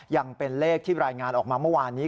ยังเป็นเลขที่รายงานออกมาเมื่อวานนี้